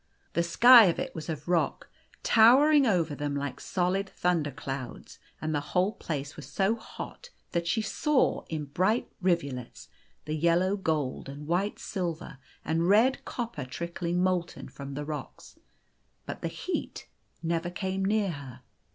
The sky of it was of rock, lowering over them like solid thunder clouds ; and the whole place was so hot that she saw, in bright rivulets, the yellow gold and white silver and red copper trickling molten from the rocks. But the heat never came near her.